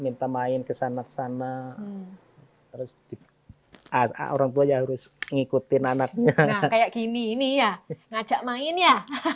nah kayak gini ini ya ngajak main ya